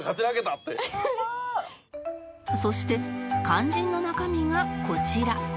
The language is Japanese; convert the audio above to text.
そして肝心の中身がこちら